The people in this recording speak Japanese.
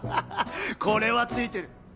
これはツイてる。